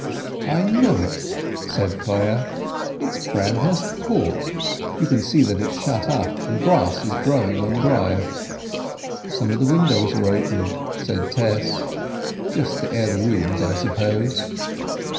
"I know it," said Clare. "It is Bramshurst Court. You can see that it is shut up, and grass is growing on the drive." "Some of the windows are open," said Tess. "Just to air the rooms, I suppose."